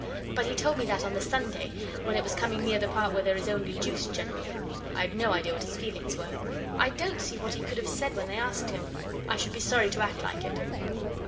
But he told me that on the Sunday, when it was coming near the part where there is only juice generally, I had no idea what his feelings were. I don't see what he could have said when they asked him. I should be sorry to act like it.